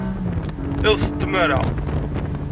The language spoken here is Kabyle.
Iḍes n tmara.